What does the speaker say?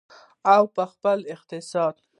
او په خپل اقتصاد.